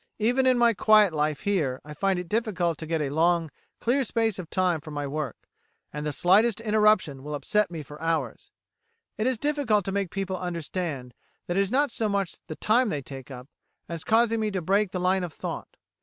Even in my quiet life here I find it difficult to get a long, clear space of time for my work, and the slightest interruption will upset me for hours. It is difficult to make people understand that it is not so much the time they take up, as causing me to break the line of thought.